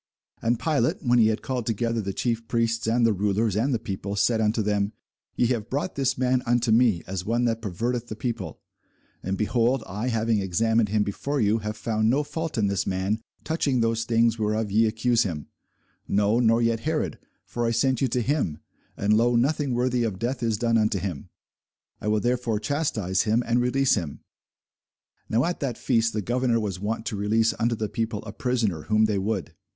And Pilate, when he had called together the chief priests and the rulers and the people, said unto them, Ye have brought this man unto me, as one that perverteth the people: and, behold, I, having examined him before you, have found no fault in this man touching those things whereof ye accuse him: no, nor yet Herod: for I sent you to him; and, lo, nothing worthy of death is done unto him. I will therefore chastise him, and release him. Now at that feast the governor was wont to release unto the people a prisoner, whom they would.